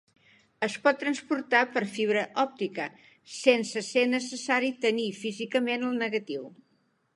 Es pot transportar per fibra òptica, sense ser necessari tenir físicament el negatiu.